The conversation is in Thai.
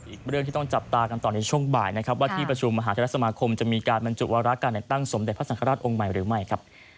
อีกเรื่องที่ต้องจับตากันต่อในช่วงบ่ายนะครับว่าที่ประชุมมหาเทศสมาคมจะมีการบรรจุวาระการแต่งตั้งสมเด็จพระสังฆราชองค์ใหม่หรือไม่ครับ